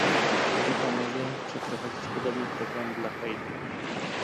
Europa może przeprowadzić podobny program dla Haiti